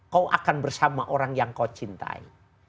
kau akan bersama orang yang kau cintai